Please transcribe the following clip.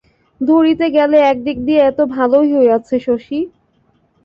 ধরিতে গেলে একদিক দিয়া এ তো ভালোই হইয়াছে শশী?